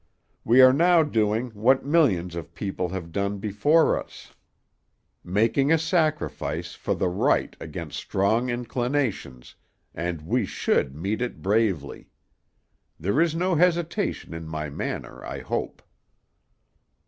We are doing now what millions of people have done before us; making a sacrifice for the right against strong inclinations, and we should meet it bravely. There is no hesitation in my manner, I hope."